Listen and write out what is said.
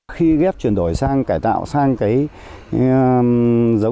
khi ghép chuyển đổi sang cải tạo sang cái giống